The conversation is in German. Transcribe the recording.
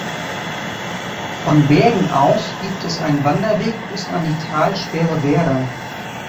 Von Bergen aus gibt es einen Wanderweg bis an die Talsperre Werda.